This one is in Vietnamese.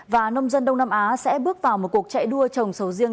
và nông dân đông nam á sẽ bước vào một cuộc chạy đua trồng sầu riêng